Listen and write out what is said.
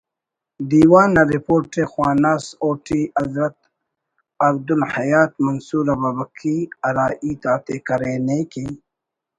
دیوان‘ نا رپورٹ ءِ خواناس اوٹی حضرت عبدالحیات منصور ابابکی ہرا ہیت آتے کرینے کہ